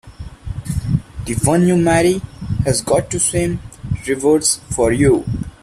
The one you marry has got to swim rivers for you!